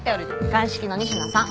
鑑識の仁科さん。